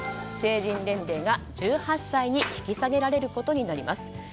成人年齢が１８歳に引き下げられることになります。